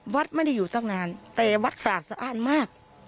วัดไม่ได้อยู่ตั้งนานแต่วัดสะอ้านมาก